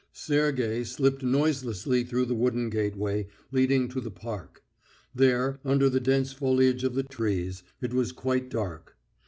Sergey slipped noiselessly through the wooden gateway leading to the park. There, under the dense foliage of the trees, it was quite dark.